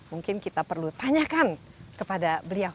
mungkin kita perlu tanyakan kepada beliau